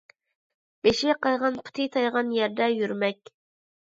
بېشى قايغان، پۇتى تايغان يەردە يۈرمەك.